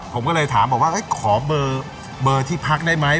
ผมก็เลยถามบอกว่าขอเบอร์ที่พักได้ไหม